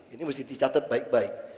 ini mesti dicatat baik baik